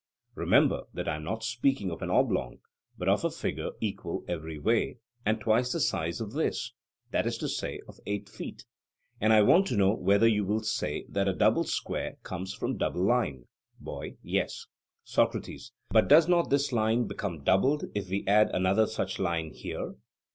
Remember that I am not speaking of an oblong, but of a figure equal every way, and twice the size of this that is to say of eight feet; and I want to know whether you still say that a double square comes from double line? BOY: Yes. SOCRATES: But does not this line become doubled if we add another such line here?